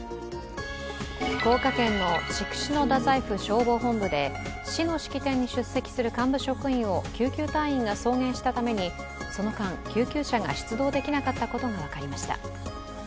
福岡県の筑紫野太宰府消防本部で市の式典に出席する幹部職員を救急隊員が送迎したためにその間、救急車が出動できなかったことが分かりました。